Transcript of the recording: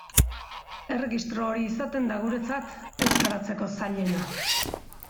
Erregistro hori izaten da guretzat euskaratzeko zailena.